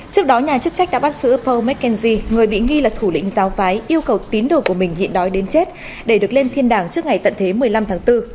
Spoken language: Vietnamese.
trước đó nhà chức trách đã bắt giữ pow mckenji người bị nghi là thủ lĩnh giáo phái yêu cầu tín đồ của mình hiện đói đến chết để được lên thiên đảng trước ngày tận thế một mươi năm tháng bốn